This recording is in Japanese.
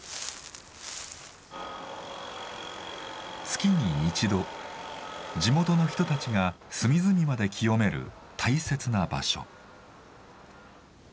月に一度地元の人たちが隅々まで清める大切な場所。